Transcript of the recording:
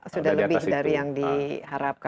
sudah lebih dari yang diharapkan